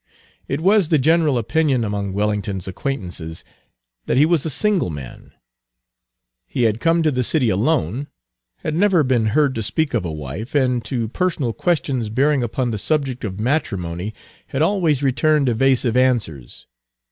It was the general opinion among Wellington's acquaintances that he was a single man. Page 241 He had come to the city alone, had never been heard to speak of a wife, and to personal questions bearing upon the subject of matrimony had always returned evasive answers.